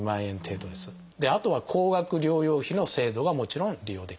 あとは高額療養費の制度がもちろん利用できます。